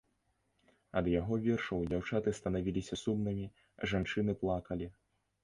Ад яго вершаў дзяўчаты станавіліся сумнымі, жанчыны плакалі.